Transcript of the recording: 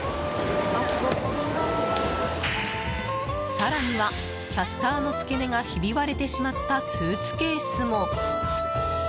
更には、キャスターの付け根がひび割れてしまったスーツケースも。